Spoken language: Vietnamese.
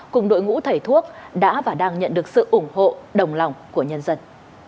cùng đội ngũ thầy thuốc đã và đang nhận được sự ủng hộ đồng lòng của nhân dân